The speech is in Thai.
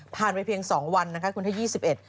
ผ่านไปเพียง๒วันนะคะคุณท่าน๒๑